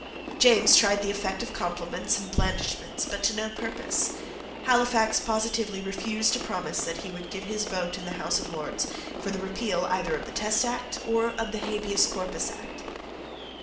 James tried the effect of compliments and blandishments, but to no purpose. Halifax positively refused to promise that he would give his vote in the House of Lords for the repeal either of the Test Act or of the Habeas Corpus Act.